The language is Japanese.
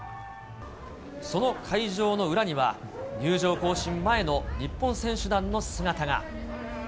その会場の裏には、入場行進前の日本選手団の姿が。